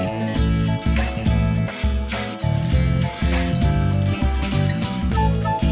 selama sudah minum